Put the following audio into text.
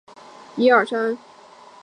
总部设在苏尔茨巴赫。